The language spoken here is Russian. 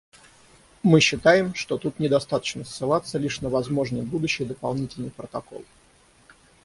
Мы считаем, что тут недостаточно ссылаться лишь на возможный будущий дополнительный протокол.